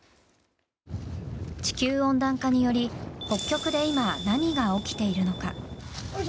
地球温暖化により北極で今、何が起きているのか。